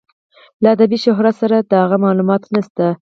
له ادبي شهرت سره د هغه معلومات نشته.